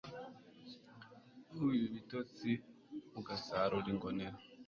ubiba ibitotsi ugasarura ingonera